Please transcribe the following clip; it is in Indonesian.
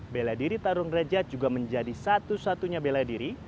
beladiri tarung drajet juga menjadi satu satunya beladiri